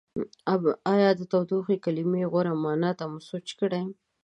ایا د تودوخې کلمې غوره معنا ته مو سوچ کړی؟